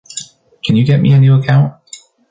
Can you get me a new account?